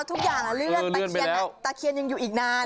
เอาทุกอย่างละเลื่อนตะเคียนยังอยู่อีกนาน